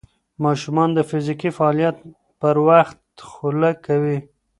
ماشومان د فزیکي فعالیت پر وخت خوله کوي.